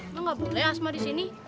emang gak boleh asmat disini